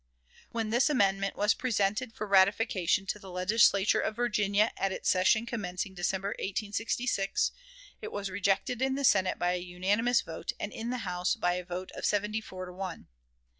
When this amendment was presented for ratification to the Legislature of Virginia at its session commencing December, 1866, it was rejected in the Senate by a unanimous vote, and in the House by a vote of seventy four to one.